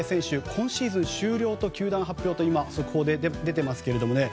今シーズン終了と球団発表と速報で出ていますけれども。